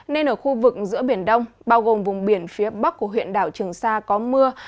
nên ở khu vực giữa biển đông bao gồm vùng biển phía bắc của huyện đảo trường sa có mưa